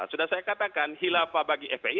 sudah saya katakan hilafah bagi fpi